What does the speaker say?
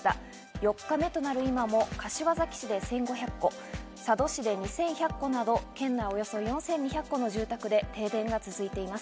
４日目となる今も、柏崎市で１５００戸、佐渡市で２１００戸など、県内およそ４２００戸の住宅で停電が続いています。